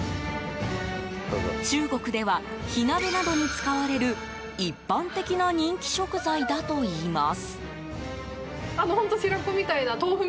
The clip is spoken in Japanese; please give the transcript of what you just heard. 中国では、火鍋などに使われる一般的な人気食材だといいます。